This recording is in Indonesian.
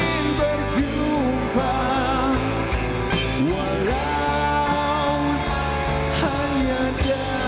anda anda anda anda